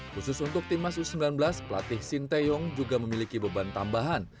khusus untuk timnas u sembilan belas pelatih sinteyong juga memiliki beban tambahan